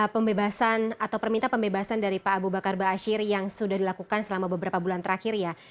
pembebasan atau permintaan pembebasan dari pak abu bakar ⁇ asyir ⁇ yang sudah dilakukan selama beberapa bulan terakhir ya